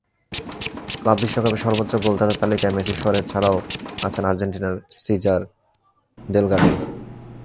Club বিশ্বকাপের সর্বোচ্চ গোলদাতার তালিকায় মেসি-সুয়ারেজ ছাড়াও আছেন আর্জেন্টিনার সিজার ডেলগাডোও।